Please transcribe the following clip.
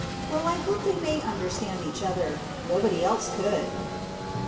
Well, I hope they may understand each other nobody else could!"